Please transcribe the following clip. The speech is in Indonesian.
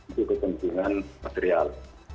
itu kepentingan material